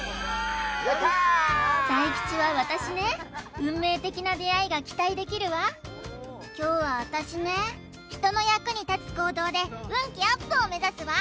大吉は私ね運命的な出会いが期待できるわ凶は私ね人の役に立つ行動で運気アップを目指すわ！